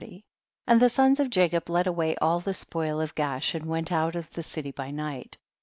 1 . And the sons of Jacob led away all the spoil of (iaash, and went out of the city by night.